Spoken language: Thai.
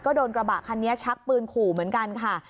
ก็โดนกระบะคันนี้ชักปืนขู่เหมือนกันค่ะ